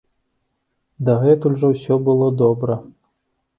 Дагэтуль жа ўсё было добра.